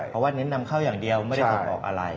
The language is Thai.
เพราะว่าเน้นนำเข้าอย่างเดียวไม่ได้ส่งออกอะไร